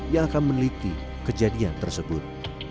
yang akan meneliti kejadian tersebut